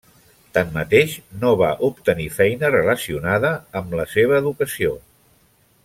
Tanmateix, no va obtenir feina relacionada amb la seva educació.